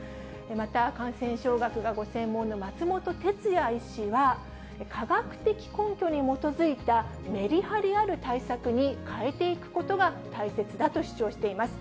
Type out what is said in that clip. また、感染症学がご専門の松本哲哉医師は、科学的根拠に基づいたメリハリある対策に変えていくことが大切だと主張しています。